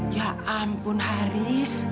ya ampun haris